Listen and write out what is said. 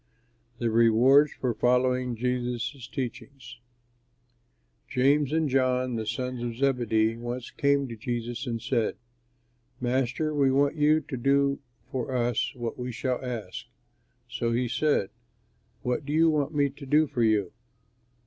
THE REWARDS FOR FOLLOWING JESUS' TEACHINGS James and John, the sons of Zebedee, once came to Jesus and said, "Master, we want you to do for us what we shall ask." So he said, "What do you want me to do for you?"